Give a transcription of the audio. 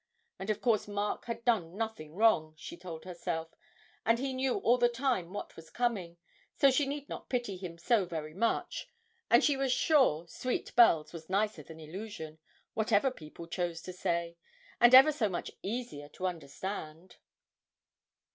And of course Mark had done nothing wrong, she told herself, and he knew all the time what was coming, so she need not pity him so very much, and she was sure 'Sweet Bells' was nicer than 'Illusion,' whatever people chose to say, and ever so much easier to understand.